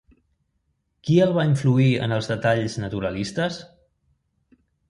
Qui el va influir en els detalls naturalistes?